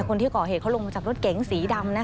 คนที่ก่อเหตุเขาลงมาจากรถเก๋งสีดำ